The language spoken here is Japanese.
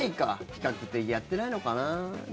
比較的やってないのかな。